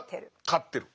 勝ってる。